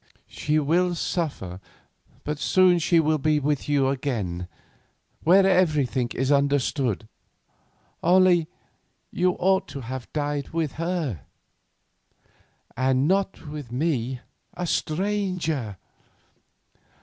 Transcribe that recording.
She will suffer, but soon she will be with you again, where everything is understood. Only you ought to have died with her, and not with me, a stranger."